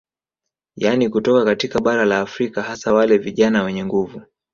Yani kutoka katika bara la Afrika hasa wale vijana wenye nguvu